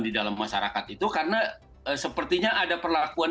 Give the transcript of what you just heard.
di dalam masyarakat itu karena sepertinya ada perlakuan